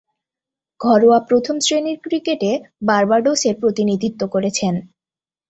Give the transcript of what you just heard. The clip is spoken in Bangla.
ঘরোয়া প্রথম-শ্রেণীর ক্রিকেটে বার্বাডোসের প্রতিনিধিত্ব করেছেন।